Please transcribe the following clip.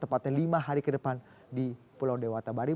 tepatnya lima hari ke depan di pulau dewata bali